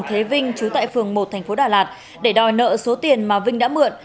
thế vinh chú tại phường một thành phố đà lạt để đòi nợ số tiền mà vinh đã mượn